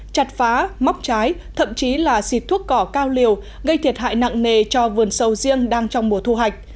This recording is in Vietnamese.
chặt phá móc trái thậm chí là xịt thuốc cỏ cao liều gây thiệt hại nặng nề cho vườn sầu riêng đang trong mùa thu hoạch